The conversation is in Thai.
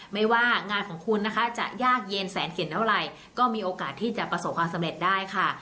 ไม่ว่างานของคุณนะคะจะยากเย็นแสนกลิ่นเท่าไหร่ก็มีโอกาสที่จะประสบความสำเร็จได้ค่ะ